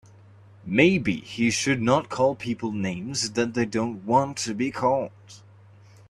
Maybe he should not call people names that they don't want to be called.